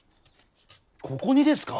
ここにですか！？